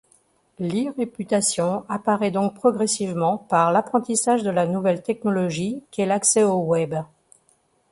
L'e-réputation apparaît donc progressivement par l’apprentissage de la nouvelle technologie qu'est l’accès au web.